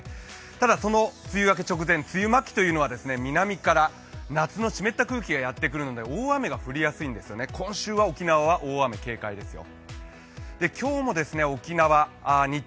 ただ、その梅雨明け直前、梅雨末期というのは南から夏の湿った空気がやってくるので大雨が降りやすいんですね、沖縄、今週は大雨に警戒ですよ。